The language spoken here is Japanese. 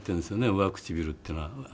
上唇っていうのは。